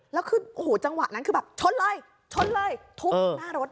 แล้วคือจังหวะนั้นชนเลยทุบหน้ารถ